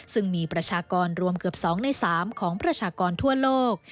ซึ่งมีประชากรรวมเกือบ๒ใน๓ของประชากรทั่วโลก